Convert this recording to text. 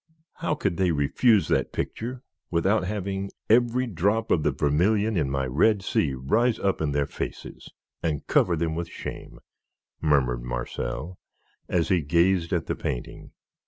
"How could they refuse that picture without having every drop of the vermilion in my Red Sea rise up in their faces and cover them with shame?" murmured Marcel, as he gazed at the painting.